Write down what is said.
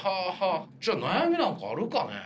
じゃあ悩みなんかあるかね？